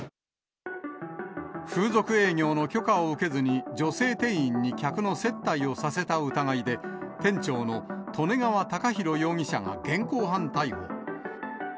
風俗営業の許可を受けずに、女性店員に客の接待をさせた疑いで、店長の利根川貴弘容疑者が現行犯逮捕。